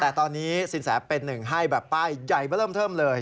แต่ตอนนี้สินแสเป็นหนึ่งให้แบบป้ายใหญ่มาเริ่มเทิมเลย